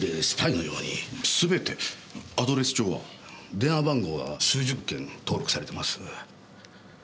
電話番号は数十件登録されてます。